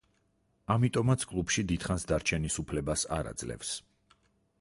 ამიტომაც კლუბში დიდხანს დარჩენის უფლებას არ აძლევს.